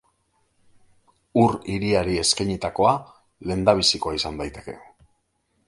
Ur hiriari eskainitakoa lehendabizikoa izan daiteke.